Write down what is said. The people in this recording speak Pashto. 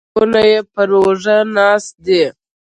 دوه عقابان یې پر اوږو ناست دي